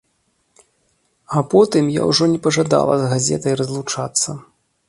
А потым я ўжо не пажадала з газетай разлучацца.